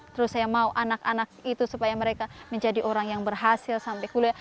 terus saya mau anak anak itu supaya mereka menjadi orang yang berhasil sampai kuliah